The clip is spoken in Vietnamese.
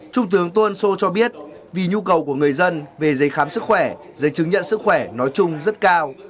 trung tướng tôn sô cho biết vì nhu cầu của người dân về giấy khám sức khỏe giấy chứng nhận sức khỏe nói chung rất cao